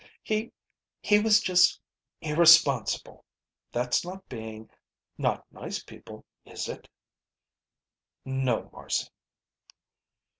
"He he was just irresponsible. That's not being not nice people, is it?" "No, Marcy."